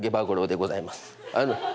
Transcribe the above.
五郎でございます。